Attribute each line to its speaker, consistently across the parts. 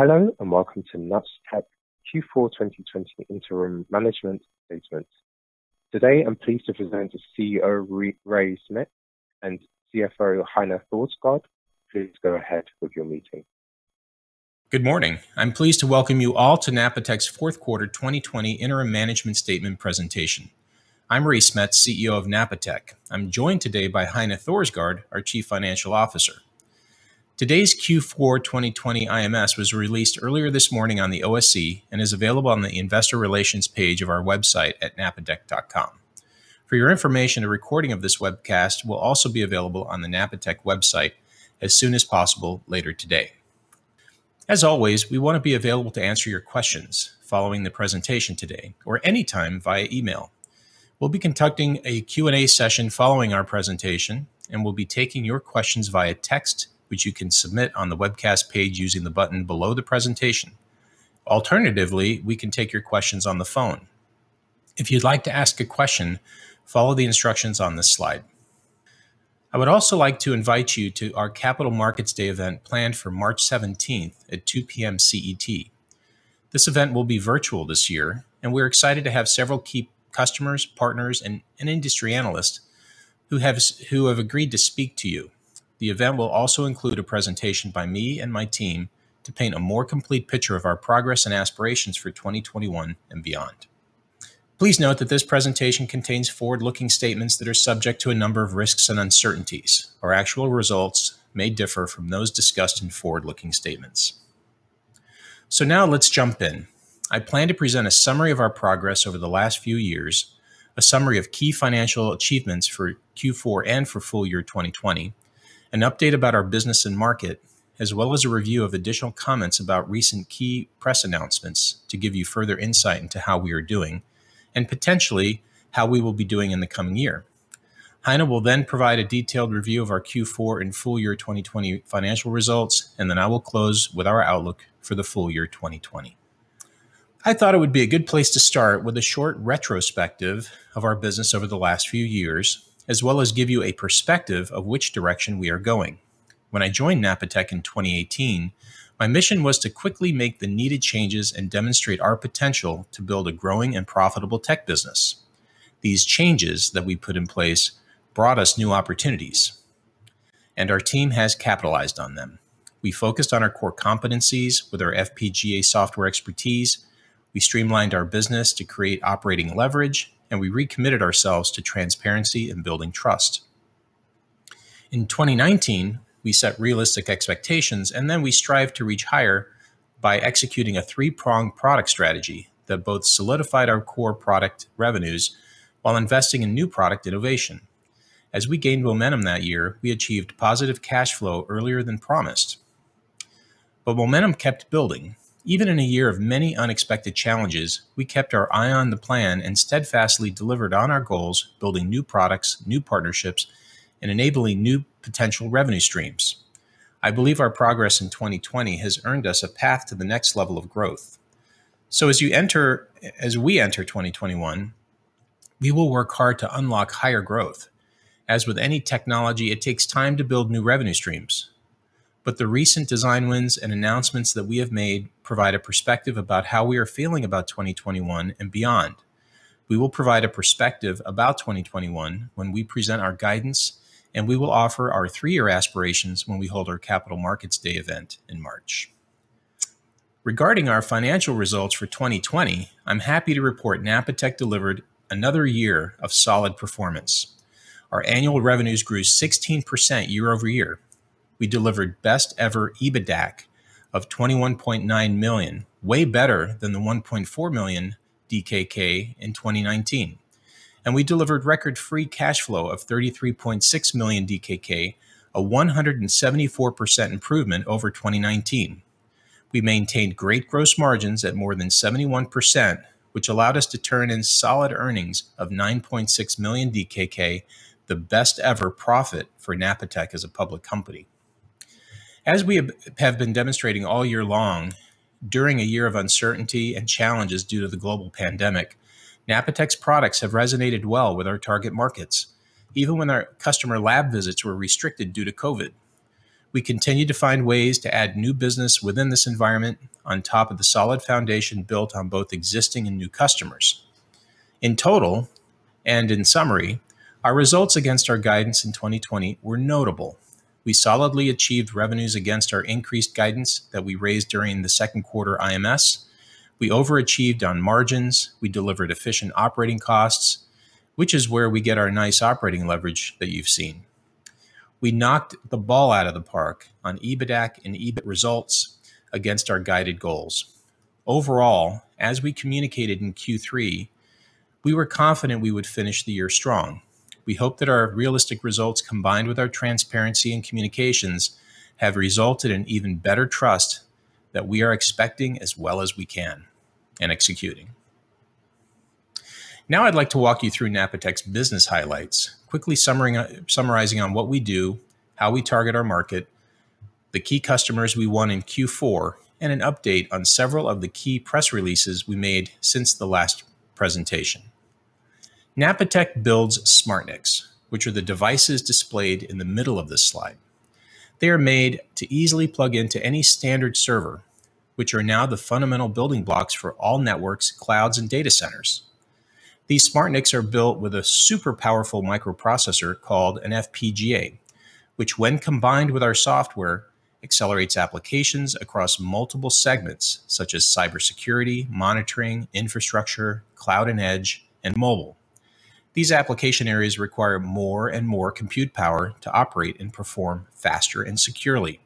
Speaker 1: Hello, welcome to Napatech Q4 2020 interim management statement. Today, I'm pleased to present the CEO, Ray Smets, and CFO, Heine Thorsgaard. Please go ahead with your meeting.
Speaker 2: Good morning. I'm pleased to welcome you all to Napatech's fourth quarter 2020 interim management statement presentation. I'm Ray Smets, CEO of Napatech. I'm joined today by Heine Thorsgaard, our Chief Financial Officer. Today's Q4 2020 IMS was released earlier this morning on the OSE and is available on the investor relations page of our website at napatech.com. For your information, a recording of this webcast will also be available on the Napatech website as soon as possible later today. As always, we want to be available to answer your questions following the presentation today or anytime via email. We'll be conducting a Q&A session following our presentation, and we'll be taking your questions via text, which you can submit on the webcast page using the button below the presentation. Alternatively, we can take your questions on the phone. If you'd like to ask a question, follow the instructions on this slide. I would also like to invite you to our Capital Markets Day event planned for March 17th at 2:00 P.M. CET. This event will be virtual this year, and we're excited to have several key customers, partners, and industry analysts who have agreed to speak to you. The event will also include a presentation by me and my team to paint a more complete picture of our progress and aspirations for 2021 and beyond. Please note that this presentation contains forward-looking statements that are subject to a number of risks and uncertainties. Our actual results may differ from those discussed in forward-looking statements. Now let's jump in. I plan to present a summary of our progress over the last few years, a summary of key financial achievements for Q4 and for full year 2020, an update about our business and market, as well as a review of additional comments about recent key press announcements to give you further insight into how we are doing, and potentially how we will be doing in the coming year. Heine will provide a detailed review of our Q4 and full year 2020 financial results, and then I will close with our outlook for the full year 2020. I thought it would be a good place to start with a short retrospective of our business over the last few years, as well as give you a perspective of which direction we are going. When I joined Napatech in 2018, my mission was to quickly make the needed changes and demonstrate our potential to build a growing and profitable tech business. These changes that we put in place brought us new opportunities. Our team has capitalized on them. We focused on our core competencies with our FPGA software expertise, we streamlined our business to create operating leverage, and we recommitted ourselves to transparency and building trust. In 2019, we set realistic expectations. We strived to reach higher by executing a three-pronged product strategy that both solidified our core product revenues while investing in new product innovation. As we gained momentum that year, we achieved positive cash flow earlier than promised. Momentum kept building. Even in a year of many unexpected challenges, we kept our eye on the plan and steadfastly delivered on our goals, building new products, new partnerships, and enabling new potential revenue streams. I believe our progress in 2020 has earned us a path to the next level of growth. As we enter 2021, we will work hard to unlock higher growth. As with any technology, it takes time to build new revenue streams, but the recent design wins and announcements that we have made provide a perspective about how we are feeling about 2021 and beyond. We will provide a perspective about 2021 when we present our guidance, and we will offer our three-year aspirations when we hold our Capital Markets Day event in March. Regarding our financial results for 2020, I'm happy to report Napatech delivered another year of solid performance. Our annual revenues grew 16% year-over-year. We delivered best ever EBITDAC of 21.9 million, way better than the 1.4 million DKK in 2019. We delivered record free cash flow of 33.6 million DKK, a 174% improvement over 2019. We maintained great gross margins at more than 71%, which allowed us to turn in solid earnings of 9.6 million DKK, the best ever profit for Napatech as a public company. As we have been demonstrating all year long, during a year of uncertainty and challenges due to the global pandemic, Napatech's products have resonated well with our target markets, even when our customer lab visits were restricted due to COVID. We continued to find ways to add new business within this environment on top of the solid foundation built on both existing and new customers. In total and in summary, our results against our guidance in 2020 were notable. We solidly achieved revenues against our increased guidance that we raised during the second quarter IMS. We overachieved on margins. We delivered efficient operating costs, which is where we get our nice operating leverage that you've seen. We knocked the ball out of the park on EBITDAC and EBIT results against our guided goals. Overall, as we communicated in Q3, we were confident we would finish the year strong. We hope that our realistic results, combined with our transparency and communications, have resulted in even better trust that we are executing as well as we can. Now I'd like to walk you through Napatech's business highlights, quickly summarizing on what we do, how we target our market, the key customers we won in Q4, and an update on several of the key press releases we made since the last presentation. Napatech builds SmartNICs, which are the devices displayed in the middle of this slide. They are made to easily plug into any standard server, which are now the fundamental building blocks for all networks, clouds, and data centers. These SmartNICs are built with a super powerful microprocessor called an FPGA, which when combined with our software, accelerates applications across multiple segments such as cybersecurity, monitoring, infrastructure, cloud and edge, and mobile. These application areas require more and more compute power to operate and perform faster and securely.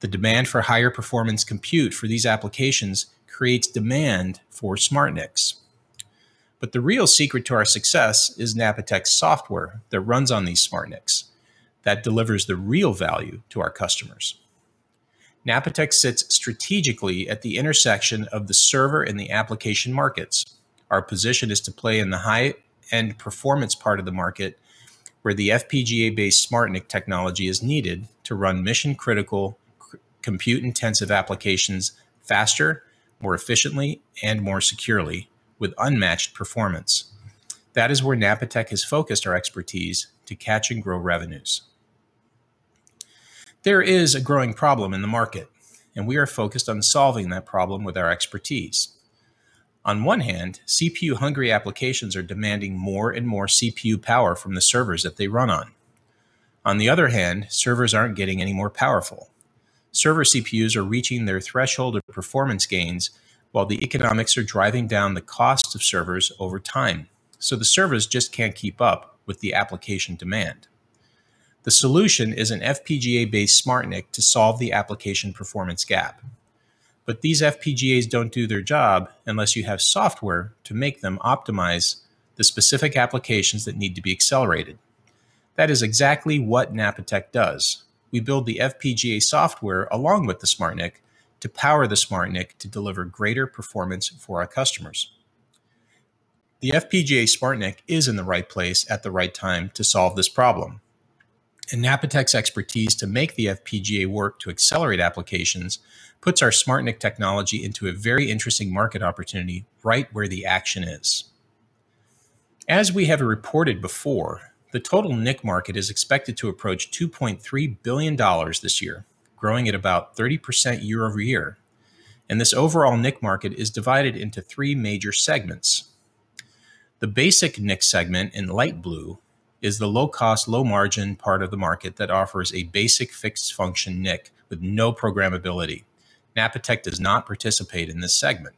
Speaker 2: The demand for higher performance compute for these applications creates demand for SmartNICs. The real secret to our success is Napatech software that runs on these SmartNICs that delivers the real value to our customers. Napatech sits strategically at the intersection of the server and the application markets. Our position is to play in the high-end performance part of the market, where the FPGA-based SmartNIC technology is needed to run mission-critical, compute-intensive applications faster, more efficiently, and more securely with unmatched performance. That is where Napatech has focused our expertise to catch and grow revenues. There is a growing problem in the market, and we are focused on solving that problem with our expertise. On one hand, CPU-hungry applications are demanding more and more CPU power from the servers that they run on. On the other hand, servers aren't getting any more powerful. Server CPUs are reaching their threshold of performance gains while the economics are driving down the cost of servers over time, so the servers just can't keep up with the application demand. The solution is an FPGA-based SmartNIC to solve the application performance gap. These FPGAs don't do their job unless you have software to make them optimize the specific applications that need to be accelerated. That is exactly what Napatech does. We build the FPGA software along with the SmartNIC to power the SmartNIC to deliver greater performance for our customers. The FPGA SmartNIC is in the right place at the right time to solve this problem, and Napatech's expertise to make the FPGA work to accelerate applications puts our SmartNIC technology into a very interesting market opportunity right where the action is. As we have reported before, the total NIC market is expected to approach $2.3 billion this year, growing at about 30% year-over-year. This overall NIC market is divided into 3 major segments. The basic NIC segment in light blue is the low-cost, low-margin part of the market that offers a basic fixed function NIC with no programmability. Napatech does not participate in this segment.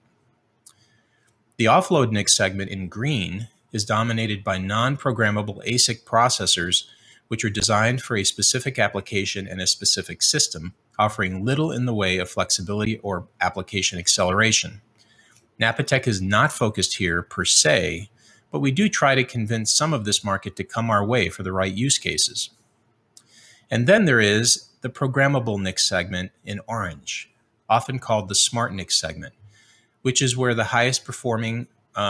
Speaker 2: The offload NIC segment in green is dominated by non-programmable ASIC processors, which are designed for a specific application and a specific system, offering little in the way of flexibility or application acceleration. Napatech is not focused here per se, but we do try to convince some of this market to come our way for the right use cases. Then there is the programmable NIC segment in orange, often called the SmartNIC segment, which is where the highest performing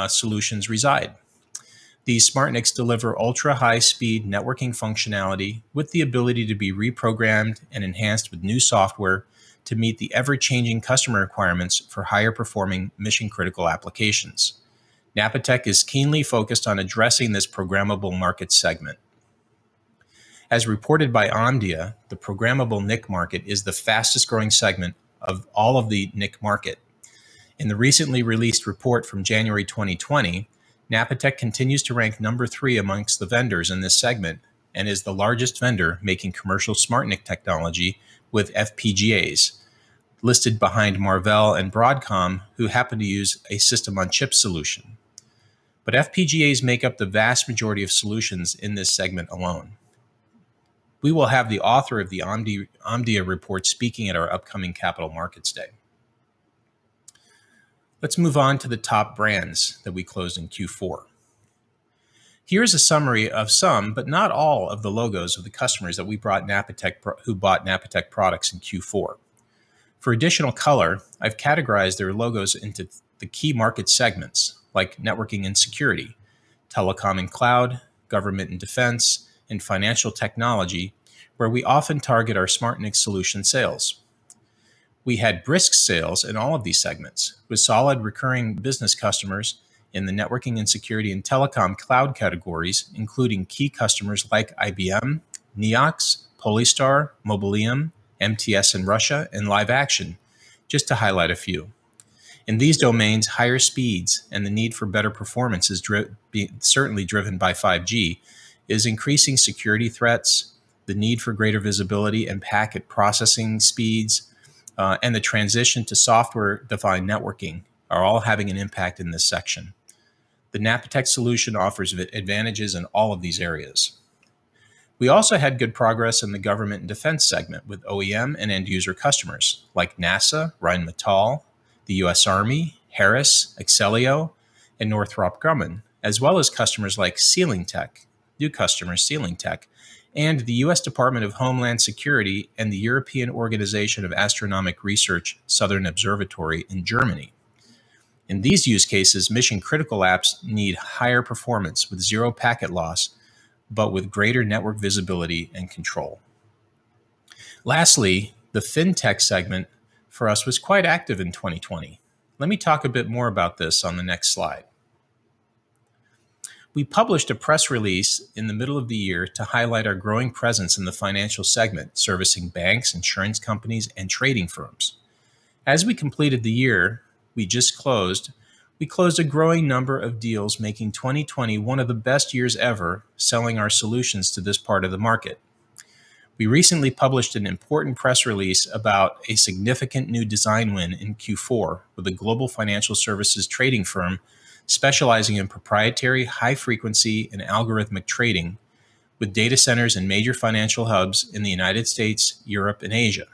Speaker 2: solutions reside. These SmartNICs deliver ultra high speed networking functionality with the ability to be reprogrammed and enhanced with new software to meet the ever-changing customer requirements for higher performing mission-critical applications. Napatech is keenly focused on addressing this programmable market segment. As reported by Omdia, the programmable NIC market is the fastest-growing segment of all of the NIC market. In the recently released report from January 2020, Napatech continues to rank number 3 amongst the vendors in this segment and is the largest vendor making commercial SmartNIC technology with FPGAs listed behind Marvell and Broadcom, who happen to use a system-on-chip solution. FPGAs make up the vast majority of solutions in this segment alone. We will have the author of the Omdia report speaking at our upcoming Capital Markets Day. Let's move on to the top brands that we closed in Q4. Here's a summary of some, but not all, of the logos of the customers who bought Napatech products in Q4. For additional color, I've categorized their logos into the key market segments like networking and security, telecom and cloud, government and defense, and financial technology, where we often target our SmartNIC solution sales. We had brisk sales in all of these segments with solid recurring business customers in the networking and security and telecom cloud categories, including key customers like IBM, NEOX, Polestar, Mobileum, MTS in Russia, and LiveAction, just to highlight a few. In these domains, higher speeds and the need for better performance is certainly driven by 5G, is increasing security threats, the need for greater visibility and packet processing speeds, and the transition to software-defined networking are all having an impact in this section. The Napatech solution offers advantages in all of these areas. We also had good progress in the government and defense segment with OEM and end user customers like NASA, Rheinmetall, the U.S. Army, Harris, Accelio, and Northrop Grumman, as well as customers like SealingTech, new customer, SealingTech, and the U.S. Department of Homeland Security and the European Organisation of Astronomical Research Southern Observatory in Germany. In these use cases, mission-critical apps need higher performance with zero packet loss, but with greater network visibility and control. Lastly, the fintech segment for us was quite active in 2020. Let me talk a bit more about this on the next slide. We published a press release in the middle of the year to highlight our growing presence in the financial segment, servicing banks, insurance companies, and trading firms. As we completed the year we just closed, we closed a growing number of deals, making 2021 of the best years ever selling our solutions to this part of the market. We recently published an important press release about a significant new design win in Q4 with a global financial services trading firm specializing in proprietary high frequency and algorithmic trading with data centers and major financial hubs in the United States, Europe, and Asia.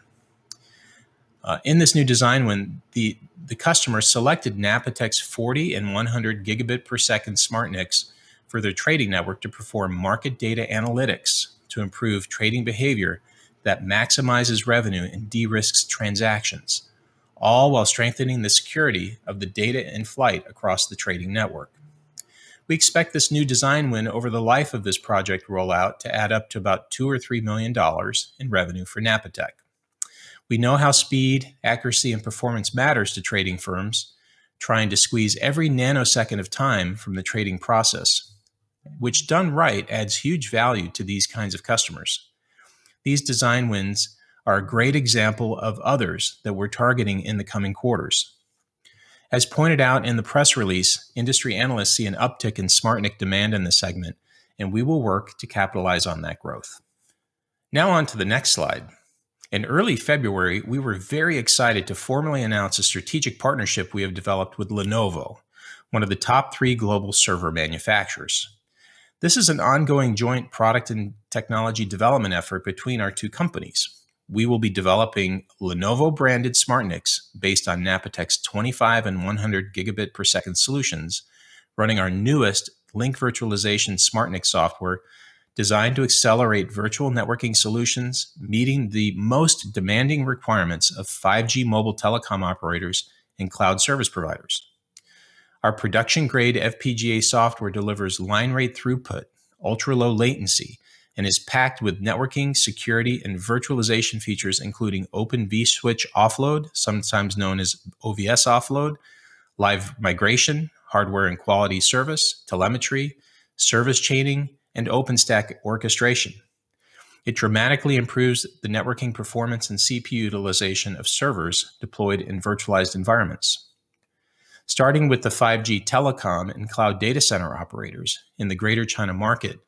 Speaker 2: In this new design win, the customer selected Napatech's 40 Gb and 100 Gb per second SmartNICs for their trading network to perform market data analytics to improve trading behavior that maximizes revenue and de-risks transactions, all while strengthening the security of the data in flight across the trading network. We expect this new design win over the life of this project rollout to add up to about 2 million or DKK 3 million in revenue for Napatech. We know how speed, accuracy, and performance matters to trading firms trying to squeeze every nanosecond of time from the trading process, which done right adds huge value to these kinds of customers. These design wins are a great example of others that we're targeting in the coming quarters. As pointed out in the press release, industry analysts see an uptick in SmartNIC demand in this segment. We will work to capitalize on that growth. On to the next slide. In early February, we were very excited to formally announce a strategic partnership we have developed with Lenovo, one of the top three global server manufacturers. This is an ongoing joint product and technology development effort between our two companies. We will be developing Lenovo-branded SmartNICs based on Napatech's 25 Gb and 100 Gb per second solutions running our newest Link-Virtualization SmartNIC software designed to accelerate virtual networking solutions, meeting the most demanding requirements of 5G mobile telecom operators and cloud service providers. Our production grade FPGA software delivers line rate throughput, ultra low latency, and is packed with networking, security, and virtualization features including Open vSwitch offload, sometimes known as OVS offload, live migration, hardware and Quality of Service, telemetry, service chaining, and OpenStack orchestration. It dramatically improves the networking performance and CPU utilization of servers deployed in virtualized environments. Starting with the 5G telecom and cloud data center operators in the Greater China market,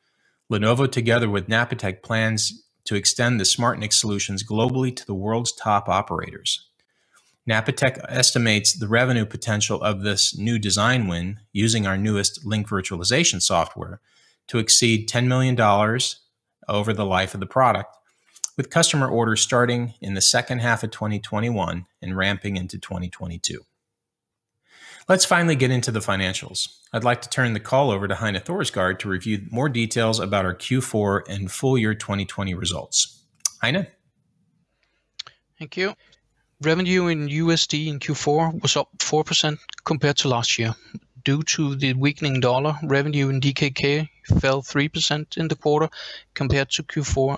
Speaker 2: Lenovo together with Napatech plans to extend the SmartNIC solutions globally to the world's top operators. Napatech estimates the revenue potential of this new design win using our newest Link-Virtualization software to exceed DKK 10 million over the life of the product with customer orders starting in the second half of 2021 and ramping into 2022. Let's finally get into the financials. I'd like to turn the call over to Heine Thorsgaard to review more details about our Q4 and full year 2020 results. Heine.
Speaker 3: Thank you. Revenue in USD in Q4 was up 4% compared to last year. Due to the weakening dollar, revenue in DKK fell 3% in the quarter compared to Q4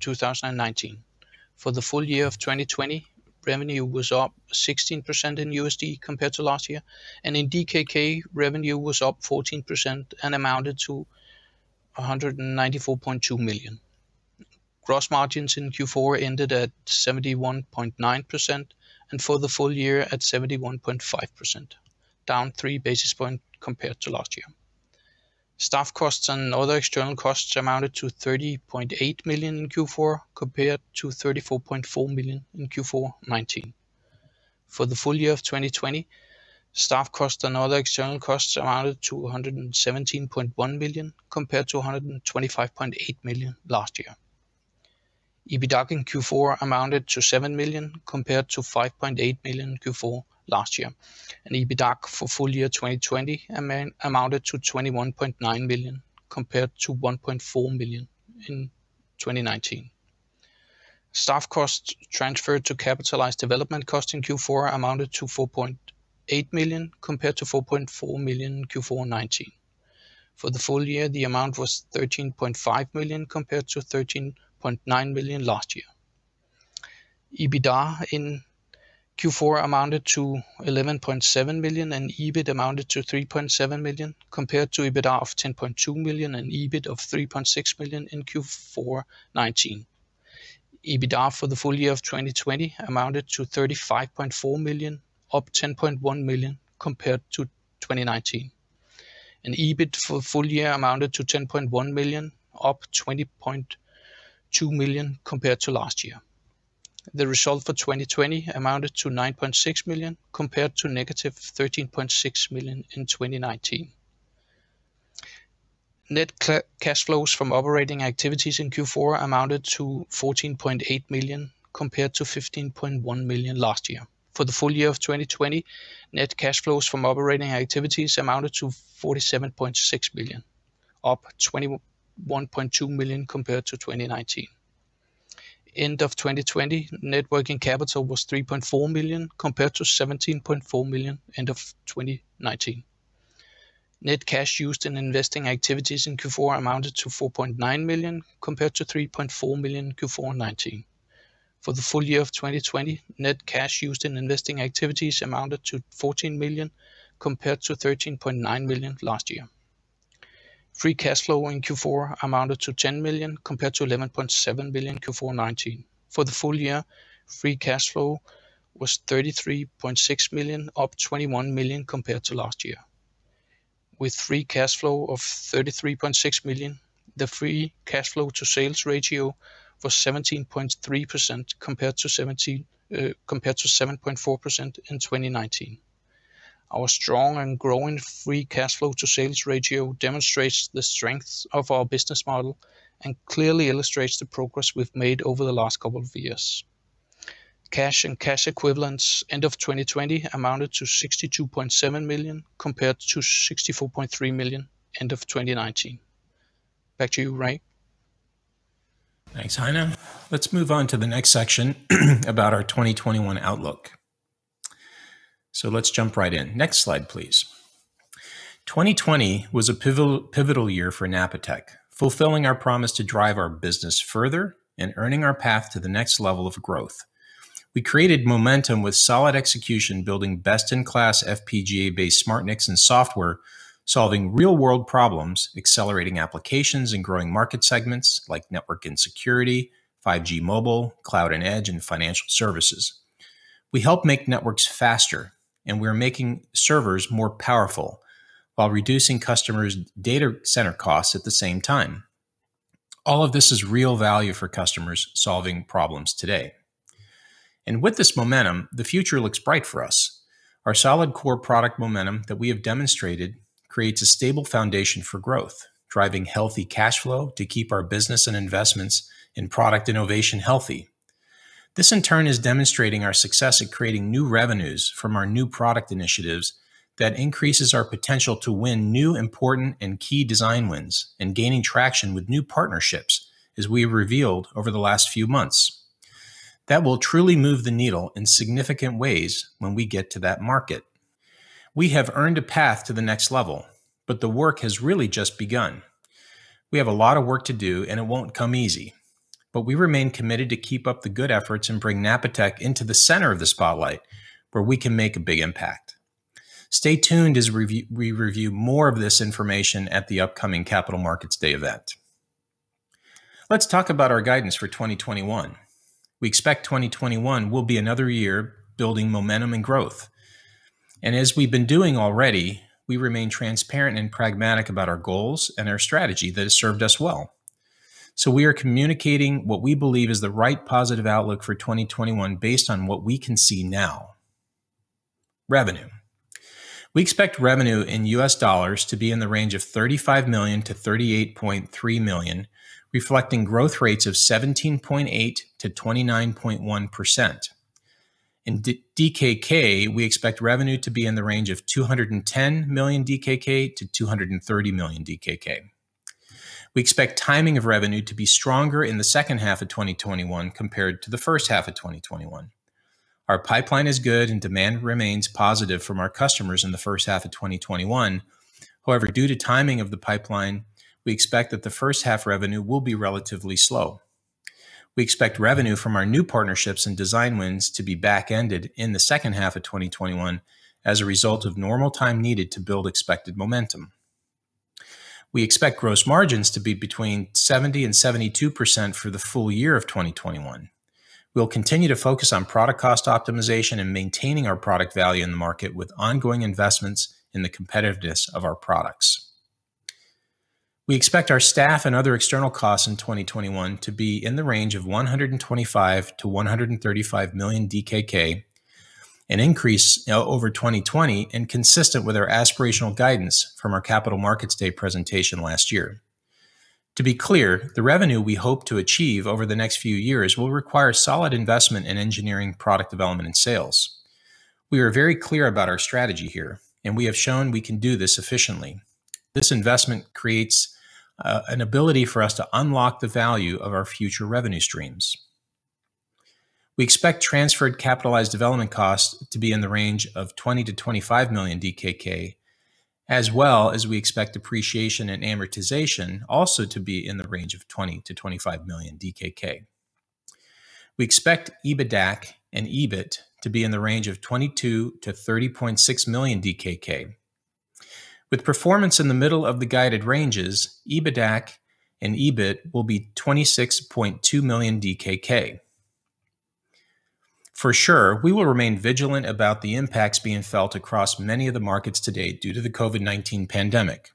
Speaker 3: 2019. For the full year of 2020, revenue was up 16% in USD compared to last year, and in DKK, revenue was up 14% and amounted to 194.2 million. Gross margins in Q4 ended at 71.9%, and for the full year at 71.5%, down three basis points compared to last year. Staff costs and other external costs amounted to 30.8 million in Q4 compared to 34.4 million in Q4 2019. For the full year of 2020, staff cost and other external costs amounted to 117.1 million compared to 125.8 million last year. EBITDAC in Q4 amounted to 7 million compared to 5.8 million in Q4 last year. EBITDAC for full year 2020 amounted to 21.9 million compared to 1.4 million in 2019. Staff costs transferred to capitalized development cost in Q4 amounted to 4.8 million compared to 4.4 million in Q4 2019. For the full year, the amount was 13.5 million compared to 13.9 million last year. EBITDAC in Q4 amounted to 11.7 million. EBIT amounted to 3.7 million compared to EBITDAC of 10.2 million and EBIT of 3.6 million in Q4 2019. EBITDAC for the full year of 2020 amounted to 35.4 million, up 10.1 million compared to 2019. EBIT for full year amounted to 10.1 million, up 20.2 million compared to last year. The result for 2020 amounted to 9.6 million compared to negative 13.6 million in 2019. Net cash flows from operating activities in Q4 amounted to 14.8 million compared to 15.1 million last year. For the full year of 2020, net cash flows from operating activities amounted to 47.6 million, up 21.2 million compared to 2019. End of 2020, net working capital was 3.4 million compared to 17.4 million end of 2019. Net cash used in investing activities in Q4 amounted to 4.9 million, compared to 3.4 million in Q4 2019. For the full year of 2020, net cash used in investing activities amounted to 14 million, compared to 13.9 million last year. Free cash flow in Q4 amounted to 10 million, compared to 11.7 million in Q4 2019. For the full year, free cash flow was 33.6 million, up 21 million compared to last year. With free cash flow of 33.6 million, the free cash flow to sales ratio was 17.3% compared to 7.4% in 2019. Our strong and growing free cash flow to sales ratio demonstrates the strength of our business model and clearly illustrates the progress we've made over the last couple of years. Cash and cash equivalents end of 2020 amounted to 62.7 million, compared to 64.3 million end of 2019. Back to you, Ray.
Speaker 2: Thanks, Heine. Let's move on to the next section about our 2021 outlook. Let's jump right in. Next slide, please. 2020 was a pivotal year for Napatech, fulfilling our promise to drive our business further and earning our path to the next level of growth. We created momentum with solid execution, building best-in-class FPGA-based SmartNICs and software, solving real-world problems, accelerating applications, and growing market segments like network and security, 5G mobile, cloud and edge, and financial services. We help make networks faster, and we are making servers more powerful while reducing customers' data center costs at the same time. All of this is real value for customers solving problems today. With this momentum, the future looks bright for us. Our solid core product momentum that we have demonstrated creates a stable foundation for growth, driving healthy cash flow to keep our business and investments in product innovation healthy. This, in turn, is demonstrating our success at creating new revenues from our new product initiatives that increases our potential to win new important and key design wins and gaining traction with new partnerships, as we revealed over the last few months. That will truly move the needle in significant ways when we get to that market. We have earned a path to the next level, but the work has really just begun. We have a lot of work to do, and it won't come easy. We remain committed to keep up the good efforts and bring Napatech into the center of the spotlight, where we can make a big impact. Stay tuned as we review more of this information at the upcoming Capital Markets Day event. Let's talk about our guidance for 2021. We expect 2021 will be another year building momentum and growth. As we've been doing already, we remain transparent and pragmatic about our goals and our strategy that has served us well. We are communicating what we believe is the right positive outlook for 2021 based on what we can see now. Revenue. We expect revenue in US dollars to be in the range of $35 million-$38.3 million, reflecting growth rates of 17.8%-29.1%. In DKK, we expect revenue to be in the range of 210 million-230 million DKK. We expect timing of revenue to be stronger in the second half of 2021 compared to the first half of 2021. Our pipeline is good, and demand remains positive from our customers in the first half of 2021. However, due to timing of the pipeline, we expect that the first half revenue will be relatively slow. We expect revenue from our new partnerships and design wins to be back-ended in the second half of 2021 as a result of normal time needed to build expected momentum. We expect gross margins to be between 70% and 72% for the full year of 2021. We'll continue to focus on product cost optimization and maintaining our product value in the market with ongoing investments in the competitiveness of our products. We expect our staff and other external costs in 2021 to be in the range of 125 million-135 million DKK, an increase over 2020 and consistent with our aspirational guidance from our Capital Markets Day presentation last year. To be clear, the revenue we hope to achieve over the next few years will require solid investment in engineering, product development, and sales. We are very clear about our strategy here, and we have shown we can do this efficiently. This investment creates an ability for us to unlock the value of our future revenue streams. We expect transferred capitalized development costs to be in the range of 20 million-25 million DKK, as well as we expect depreciation and amortization also to be in the range of 20 million-25 million DKK. We expect EBITDAC and EBIT to be in the range of 22 million-30.6 million DKK. With performance in the middle of the guided ranges, EBITDAC and EBIT will be 26.2 million DKK. For sure, we will remain vigilant about the impacts being felt across many of the markets today due to the COVID-19 pandemic.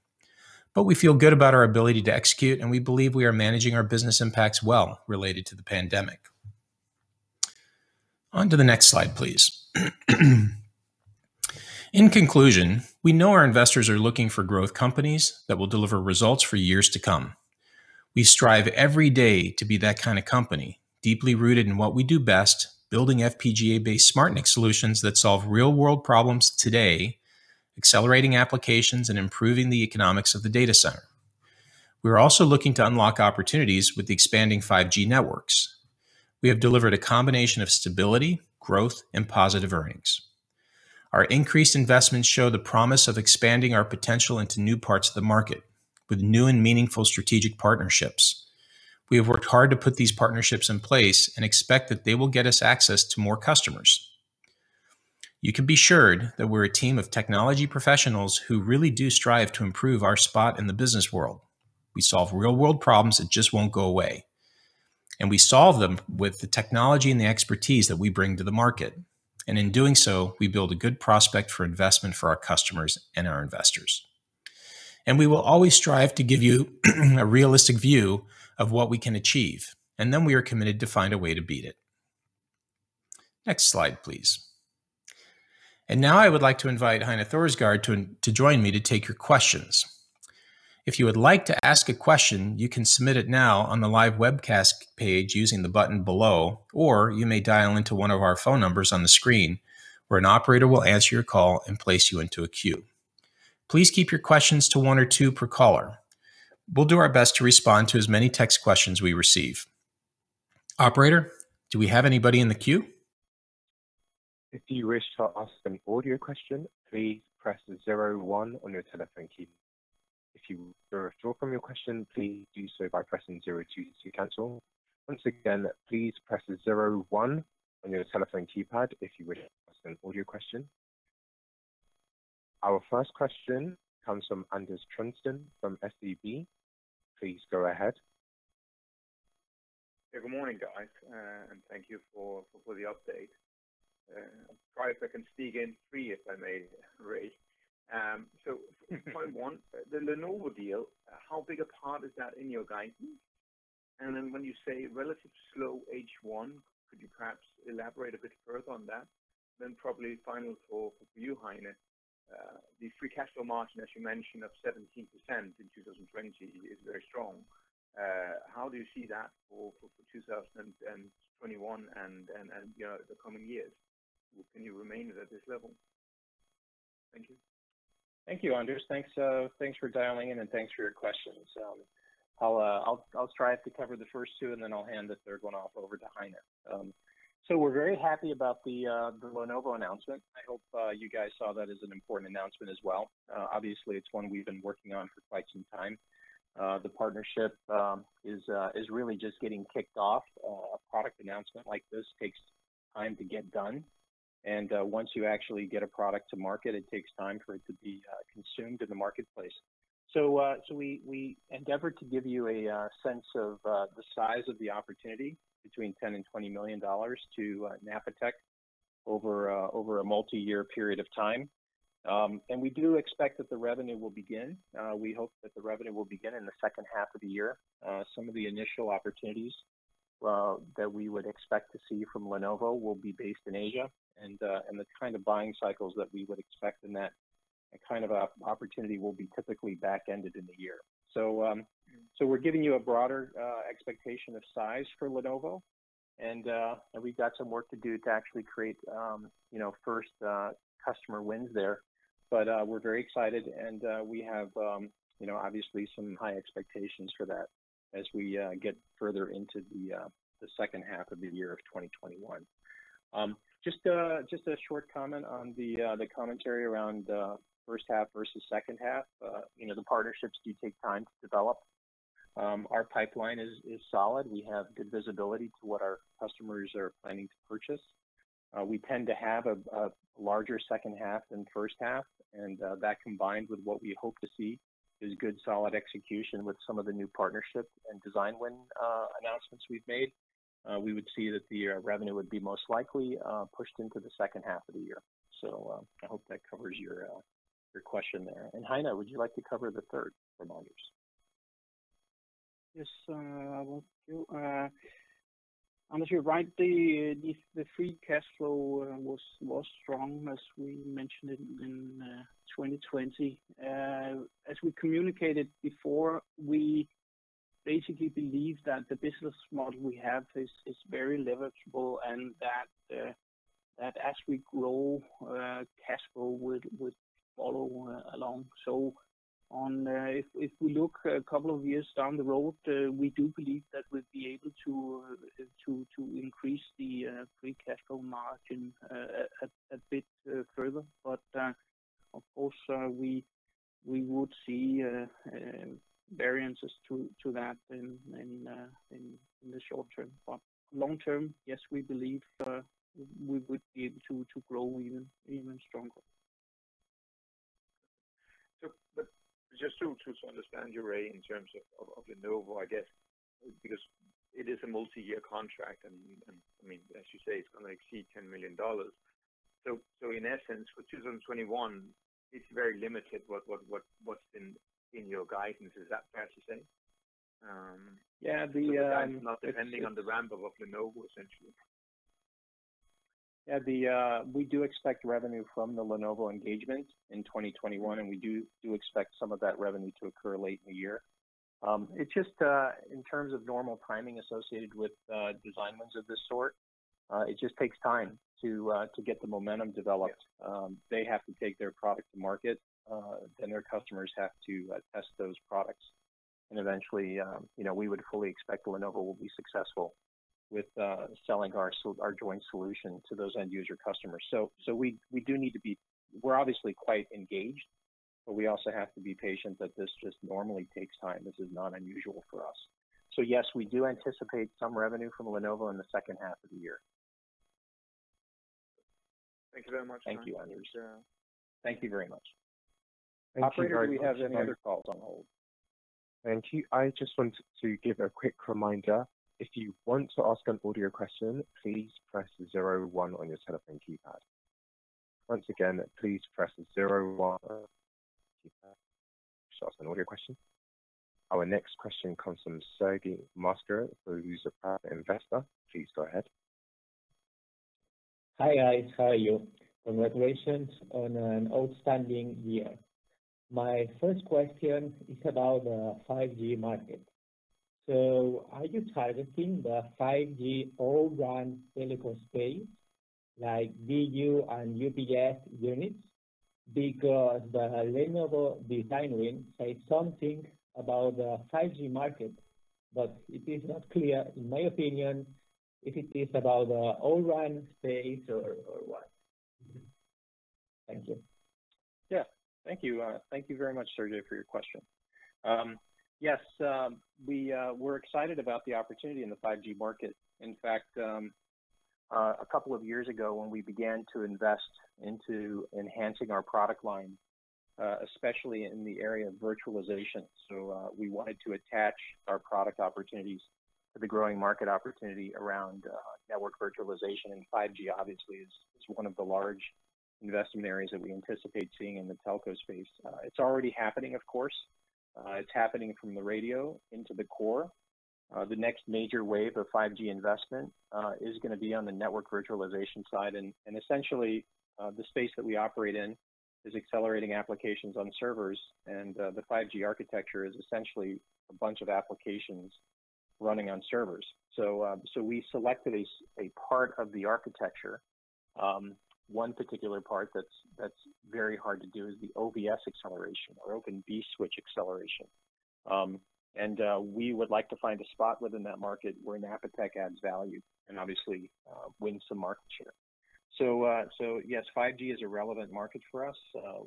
Speaker 2: We feel good about our ability to execute, and we believe we are managing our business impacts well related to the pandemic. On to the next slide, please. In conclusion, we know our investors are looking for growth companies that will deliver results for years to come. We strive every day to be that kind of company, deeply rooted in what we do best, building FPGA-based SmartNIC solutions that solve real-world problems today, accelerating applications and improving the economics of the data center. We are also looking to unlock opportunities with the expanding 5G networks. We have delivered a combination of stability, growth, and positive earnings. Our increased investments show the promise of expanding our potential into new parts of the market with new and meaningful strategic partnerships. We have worked hard to put these partnerships in place and expect that they will get us access to more customers. You can be assured that we're a team of technology professionals who really do strive to improve our spot in the business world. We solve real-world problems that just won't go away, and we solve them with the technology and the expertise that we bring to the market. In doing so, we build a good prospect for investment for our customers and our investors. We will always strive to give you a realistic view of what we can achieve, and then we are committed to find a way to beat it. Next slide, please. Now I would like to invite Heine Thorsgaard to join me to take your questions. If you would like to ask a question, you can submit it now on the live webcast page using the button below, or you may dial into one of our phone numbers on the screen, where an Operator will answer your call and place you into a queue. Please keep your questions to one or two per caller. We'll do our best to respond to as many text questions we receive. Operator, do we have anybody in the queue?
Speaker 1: If you wish to ask an audio question, please press 01 on your telephone key. If you wish to withdraw from your question, please do so by pressing 02 to cancel. Once again, please press 01 on your telephone keypad if you wish to ask an audio question. Our first question comes from Anders Knudsen from SEB. Please go ahead.
Speaker 4: Yeah, good morning, guys, and thank you for the update. I'll try if I can sneak in three, if I may, Ray. Point one, the Lenovo deal, how big a part is that in your guidance? When you say relative slow H1, could you perhaps elaborate a bit further on that? Probably final for you, Heine, the free cash flow margin, as you mentioned, of 17% in 2020 is very strong. How do you see that for 2021 and the coming years? Can you remain at this level? Thank you.
Speaker 2: Thank you, Anders. Thanks for dialing in, thanks for your questions. I'll try to cover the first two, then I'll hand the third one off over to Heine. We're very happy about the Lenovo announcement. I hope you guys saw that as an important announcement as well. Obviously, it's one we've been working on for quite some time. The partnership is really just getting kicked off. A product announcement like this takes time to get done, once you actually get a product to market, it takes time for it to be consumed in the marketplace. We endeavored to give you a sense of the size of the opportunity between DKK 10 million-DKK 20 million to Napatech over a multi-year period of time. We do expect that the revenue will begin. We hope that the revenue will begin in the second half of the year. Some of the initial opportunities that we would expect to see from Lenovo will be based in Asia, and the kind of buying cycles that we would expect in that kind of opportunity will be typically back-ended in the year. We're giving you a broader expectation of size for Lenovo, and we've got some work to do to actually create first customer wins there. We're very excited, and we have obviously some high expectations for that as we get further into the second half of the year of 2021. Just a short comment on the commentary around first half versus second half. The partnerships do take time to develop. Our pipeline is solid. We have good visibility to what our customers are planning to purchase. We tend to have a larger second half than first half, and that combined with what we hope to see is good, solid execution with some of the new partnerships and design win announcements we've made. We would see that the revenue would be most likely pushed into the second half of the year. I hope that covers your question there. Heine, would you like to cover the third from Anders?
Speaker 3: Yes. I will do. Anders, you're right, the free cash flow was strong, as we mentioned, in 2020. As we communicated before, we basically believe that the business model we have is very leverageable and that as we grow, cash flow would follow along. If we look a couple of years down the road, we do believe that we'll be able to increase the free cash flow margin a bit further. Of course, we would see variances to that in the short term. Long term, yes, we believe we would be able to grow even stronger.
Speaker 4: Just to understand you, Ray, in terms of Lenovo, I guess, because it is a multi-year contract, and as you say, it's going to exceed DKK 10 million. In essence, for 2021, it's very limited what's in your guidance. Is that fair to say?
Speaker 2: Yeah.
Speaker 4: The guide is not depending on the ramp of Lenovo, essentially.
Speaker 2: Yeah. We do expect revenue from the Lenovo engagement in 2021, and we do expect some of that revenue to occur late in the year. It's just in terms of normal timing associated with design wins of this sort. It just takes time to get the momentum developed. They have to take their product to market, and their customers have to test those products. Eventually, we would fully expect Lenovo will be successful with selling our joint solution to those end user customers. We're obviously quite engaged, but we also have to be patient that this just normally takes time. This is not unusual for us. Yes, we do anticipate some revenue from Lenovo in the second half of the year.
Speaker 4: Thank you very much.
Speaker 2: Thank you.
Speaker 4: Appreciate it.
Speaker 2: Thank you very much. Operator, do we have any other calls on hold?
Speaker 1: Thank you. I just want to give a quick reminder. If you want to ask an audio question, please press 01 on your telephone keypad. Once again, please press 01 on your keypad to ask an audio question. Our next question comes from Sergio Mosquera, who's a private investor. Please go ahead.
Speaker 5: Hi, guys. How are you? Congratulations on an outstanding year. My first question is about the 5G market. Are you targeting the 5G O-RAN telecom space like DU and CU units? The Lenovo design win said something about the 5G market, but it is not clear, in my opinion, if it is about the O-RAN space or what. Thank you.
Speaker 2: Thank you very much, Sergio, for your question. Yes, we're excited about the opportunity in the 5G market. In fact, a couple of years ago, when we began to invest into enhancing our product line, especially in the area of virtualization. We wanted to attach our product opportunities to the growing market opportunity around network virtualization, and 5G obviously is one of the large investment areas that we anticipate seeing in the telco space. It's already happening, of course. It's happening from the radio into the core. The next major wave of 5G investment is going to be on the network virtualization side, and essentially, the space that we operate in is accelerating applications on servers, and the 5G architecture is essentially a bunch of applications running on servers. We selected a part of the architecture. One particular part that's very hard to do is the OVS acceleration or Open vSwitch acceleration. We would like to find a spot within that market where Napatech adds value and obviously wins some market share. Yes, 5G is a relevant market for us.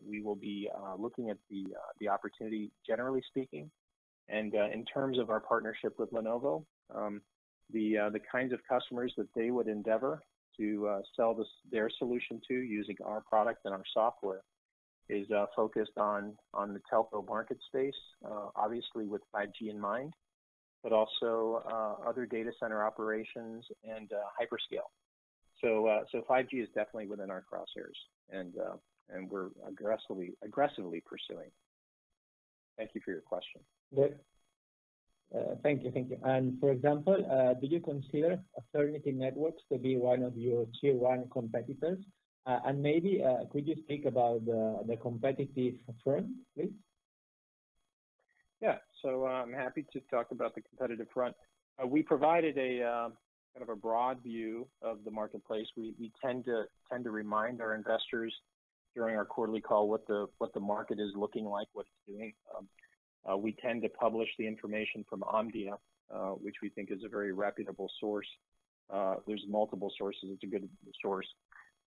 Speaker 2: We will be looking at the opportunity, generally speaking, and in terms of our partnership with Lenovo, the kinds of customers that they would endeavor to sell their solution to using our product and our software is focused on the telco market space, obviously with 5G in mind, but also other data center operations and hyperscale. 5G is definitely within our crosshairs, and we're aggressively pursuing. Thank you for your question.
Speaker 5: Good. Thank you. For example, do you consider Ethernity Networks to be one of your tier 1 competitors? Maybe could you speak about the competitive front, please?
Speaker 2: I'm happy to talk about the competitive front. We provided a kind of a broad view of the marketplace. We tend to remind our investors during our quarterly call what the market is looking like, what it's doing. We tend to publish the information from Omdia, which we think is a very reputable source. There's multiple sources. It's a good source.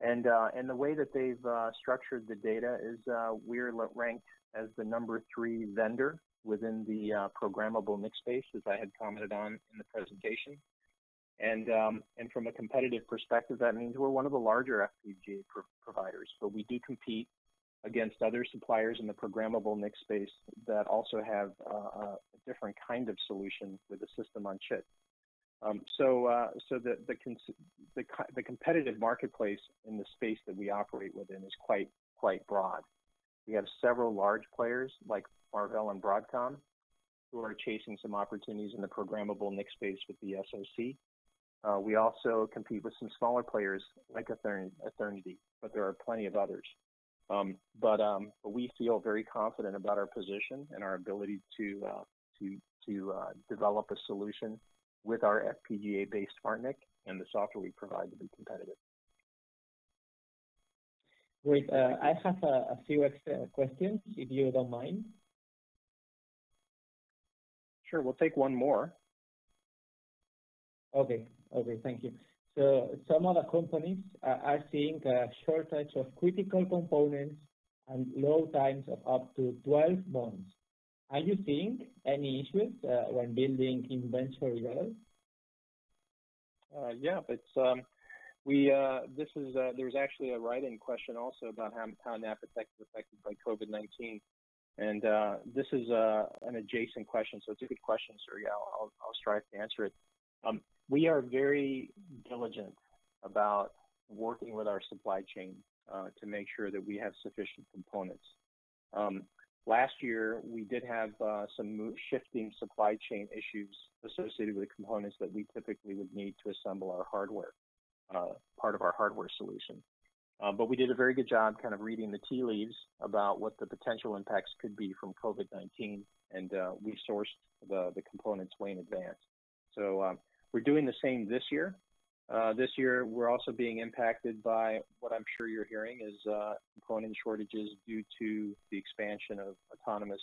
Speaker 2: And the way that they've structured the data is we're ranked as the number three vendor within the programmable NIC space, as I had commented on in the presentation. From a competitive perspective, that means we're one of the larger FPGA providers, but we do compete against other suppliers in the programmable NIC space that also have a different kind of solution with a system-on-chip. So the competitive marketplace in the space that we operate within is quite broad. We have several large players like Marvell and Broadcom, who are chasing some opportunities in the programmable NIC space with the SoC. We also compete with some smaller players like Ethernity, but there are plenty of others. We feel very confident about our position and our ability to develop a solution with our FPGA-based SmartNIC and the software we provide to be competitive.
Speaker 5: Great. I have a few extra questions, if you don't mind.
Speaker 2: Sure. We'll take one more.
Speaker 5: Okay. Thank you. Some other companies are seeing a shortage of critical components and long times of up to 12 months. Are you seeing any issues when building inventory levels?
Speaker 2: Yeah. There's actually a write-in question also about how Napatech is affected by COVID-19. This is an adjacent question, so it's a good question, Sergio. I'll strive to answer it. We are very diligent about working with our supply chain to make sure that we have sufficient components. Last year, we did have some shifting supply chain issues associated with the components that we typically would need to assemble our hardware, part of our hardware solution. We did a very good job reading the tea leaves about what the potential impacts could be from COVID-19, and we sourced the components way in advance. We're doing the same this year. This year, we're also being impacted by what I'm sure you're hearing is component shortages due to the expansion of autonomous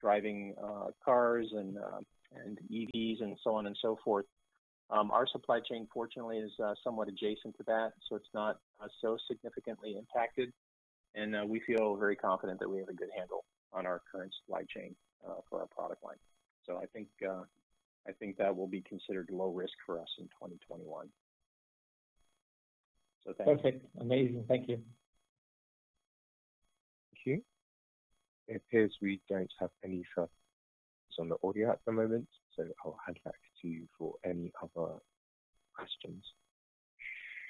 Speaker 2: driving cars and EVs and so on and so forth. Our supply chain, fortunately, is somewhat adjacent to that, so it's not so significantly impacted, and we feel very confident that we have a good handle on our current supply chain for our product line. I think that will be considered low risk for us in 2021. Thank you.
Speaker 5: Perfect. Amazing. Thank you.
Speaker 1: Thank you. It appears we don't have any further questions on the audio at the moment. I'll hand back to you for any other questions.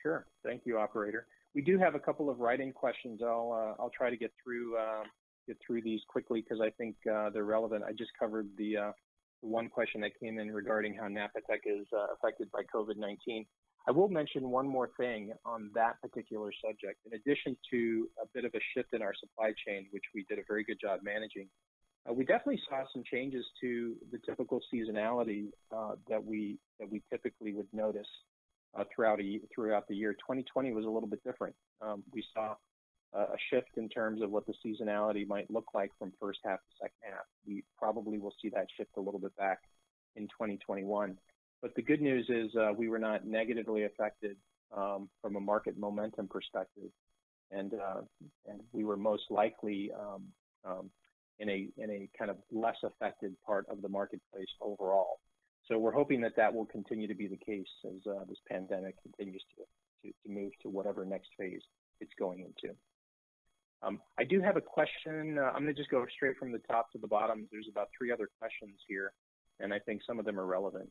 Speaker 2: Sure. Thank you, operator. We do have a couple of write-in questions. I'll try to get through these quickly because I think they're relevant. I just covered the one question that came in regarding how Napatech is affected by COVID-19. I will mention one more thing on that particular subject. In addition to a bit of a shift in our supply chain, which we did a very good job managing, we definitely saw some changes to the typical seasonality that we typically would notice throughout the year. 2020 was a little bit different. We saw a shift in terms of what the seasonality might look like from first half to second half. We probably will see that shift a little bit back in 2021. The good news is, we were not negatively affected from a market momentum perspective, and we were most likely in a kind of less affected part of the marketplace overall. We're hoping that that will continue to be the case as this pandemic continues to move to whatever next phase it's going into. I do have a question. I'm going to just go straight from the top to the bottom. There's about three other questions here, and I think some of them are relevant.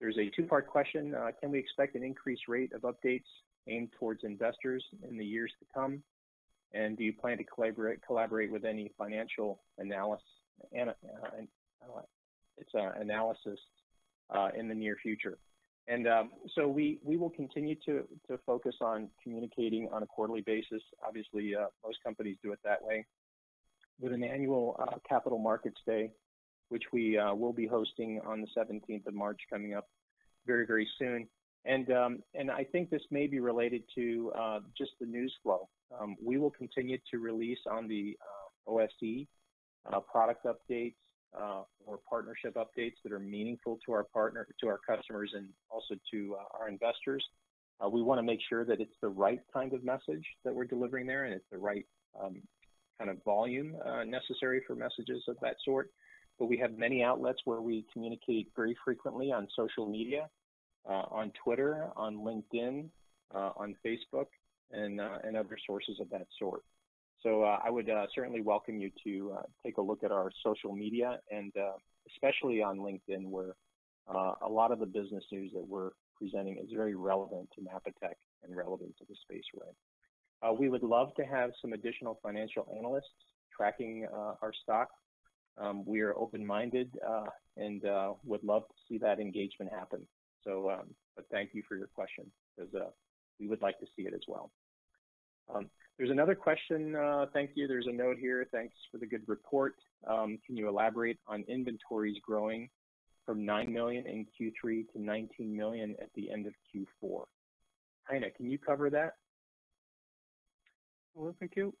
Speaker 2: There's a two-part question. Can we expect an increased rate of updates aimed towards investors in the years to come? Do you plan to collaborate with any financial analysts in the near future? We will continue to focus on communicating on a quarterly basis. Obviously, most companies do it that way, with an annual Capital Markets Day, which we will be hosting on the 17th of March, coming up very soon. I think this may be related to just the news flow. We will continue to release on the OSE product updates or partnership updates that are meaningful to our customers and also to our investors. We want to make sure that it's the right kind of message that we're delivering there, and it's the right kind of volume necessary for messages of that sort. We have many outlets where we communicate very frequently on social media, on Twitter, on LinkedIn, on Facebook, and other sources of that sort. I would certainly welcome you to take a look at our social media and especially on LinkedIn, where a lot of the business news that we're presenting is very relevant to Napatech and relevant to the space we're in. We would love to have some additional financial analysts tracking our stock. We are open-minded and would love to see that engagement happen. Thank you for your question, because we would like to see it as well. There's another question. Thank you. There's a note here. "Thanks for the good report. Can you elaborate on inventories growing from 9 million in Q3 to 19 million at the end of Q4?" Heine, can you cover that?
Speaker 3: Thank you.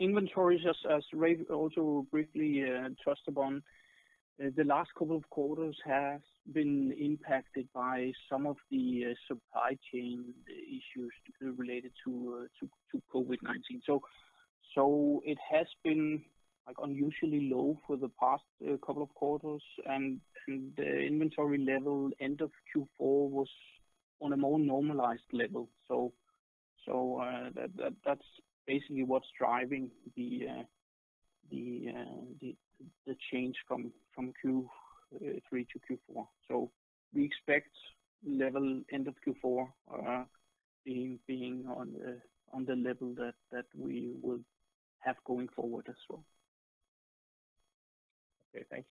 Speaker 3: Inventories, just as Ray also briefly touched upon, the last couple of quarters have been impacted by some of the supply chain issues related to COVID-19. It has been unusually low for the past couple of quarters, and the inventory level end of Q4 was on a more normalized level. That's basically what's driving the change from Q3 to Q4. We expect level end of Q4 being on the level that we will have going forward as well.
Speaker 2: Okay. Thank you.